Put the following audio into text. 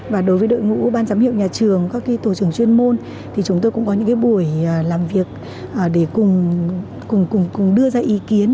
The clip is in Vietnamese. và đối với đội ngũ ban giám hiệu nhà trường các tổ trưởng chuyên môn thì chúng tôi cũng có những buổi làm việc để cùng đưa ra ý kiến